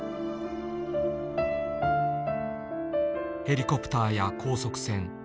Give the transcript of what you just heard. ヘリコプターや高速船。